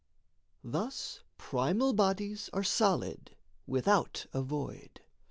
Thus primal bodies are solid, without a void.